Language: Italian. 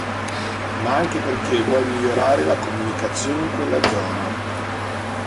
Ma anche perché vuoi migliorare la comunicazione in quella zona.